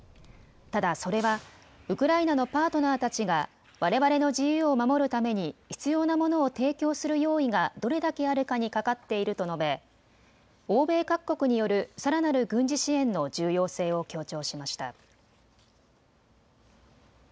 ただ、それはウクライナのパートナーたちがわれわれの自由を守るために必要なものを提供する用意がどれだけあるかにかかっていると述べ欧米各国によるさらなる軍事支援の重要性を強調しました。